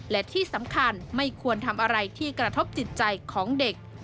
และที่สำคัญไม่ควรทำอะไรที่กระทบจิตใจของเด็ก